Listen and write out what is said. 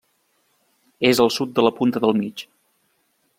És al sud de la Punta del Mig.